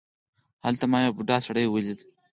هلته ما یو بوډا سړی ولید.